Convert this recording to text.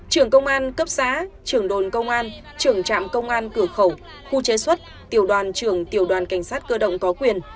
trưởng công an cấp xã trưởng đồn công an trưởng trạm công an cửa khẩu khu chế xuất tiểu đoàn trưởng tiểu đoàn cảnh sát cơ động có quyền